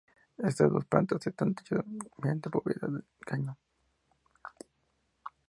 Estas dos plantas están techadas mediante bóveda de cañón.